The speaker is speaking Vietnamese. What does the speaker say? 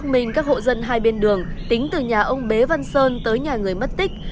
minh các hộ dân hai bên đường tính từ nhà ông bế văn sơn tới nhà người mất tích